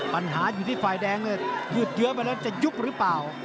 ปัญหาอยู่ที่ฝ่ายแดงเลยยืดเยอะไปแล้วจะยุบหรือเปล่า